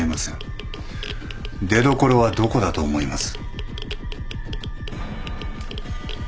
出どころはどこだと思います？